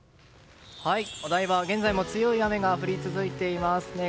お台場は現在も強い雨が降り続いています。